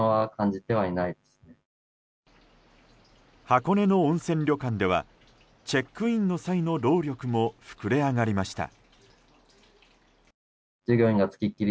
箱根の温泉旅館ではチェックインの際の労力も膨れ上がりました。